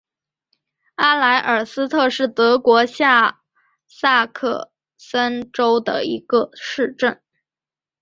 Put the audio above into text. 阿莱尔斯特是德国下萨克森州的一个市镇。